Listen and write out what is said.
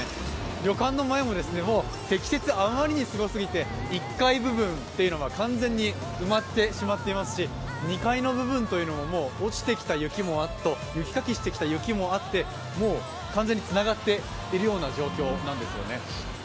旅館の前も積雪、あまりにもすごすぎて、１階部分というのは完全に埋まってしまっていますし２階の部分というのも、除雪した雪も、積もっていた雪もあってもう完全につながっているような状況なんですよね。